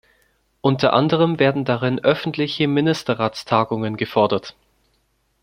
Unter anderem werden darin öffentliche Ministerratstagungen gefordert.